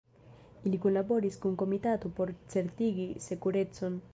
Ili kunlaboris kun komitato por certigi sekurecon.